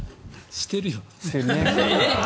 してるね。